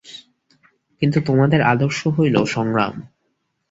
কিন্তু তোমাদের আদর্শ হইল সংগ্রাম।